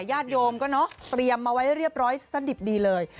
ญาติโยมก็เนอะเตรียมมาไว้เรียบร้อยสดิบดีเลย